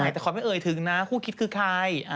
แต่ขอไม่เอ่ยถึงนะคู่คิดคือใคร